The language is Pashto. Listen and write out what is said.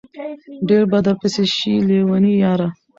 ډېر به درپسې شي لېوني ياره